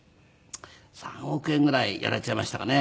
３億円ぐらいやられちゃいましたかね。